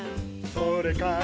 「それから」